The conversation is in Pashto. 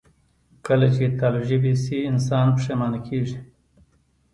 کله چې تالو ژبې شي، انسان پښېمانه کېږي